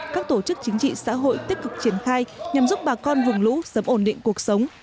các tổ chức chính trị xã hội tích cực triển khai nhằm giúp bà con vùng lũ sớm ổn định cuộc sống